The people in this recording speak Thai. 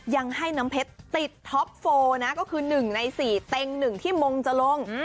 ยังให้น้ำเพชรติดท็อปโฟลนะก็คือ๑ใน๔เต็ง๑ที่มงจะลง